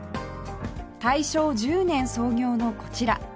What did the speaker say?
大正１０年創業のこちら